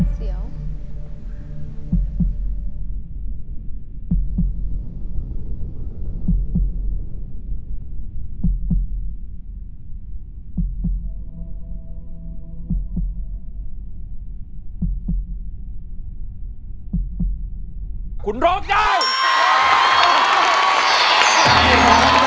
เพลงที่๕มูลค่า๖๐๐๐๐บาท